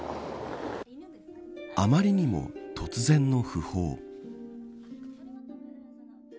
あまりにも突然の訃報。